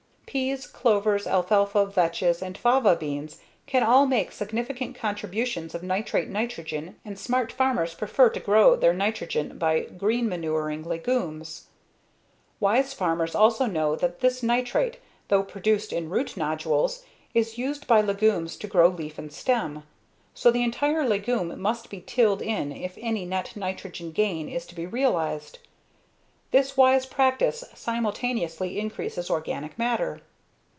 Peas, clovers, alfalfa, vetches, and fava beans can all make significant contributions of nitrate nitrogen and smart farmers prefer to grow their nitrogen by green manuring legumes. Wise farmers also know that this nitrate, though produced in root nodules, is used by legumes to grow leaf and stem. So the entire legume must be tilled in if any net nitrogen gain is to be realized. This wise practice simultaneously increases organic matter.